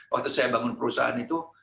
waktu saya bangun perusahaan itu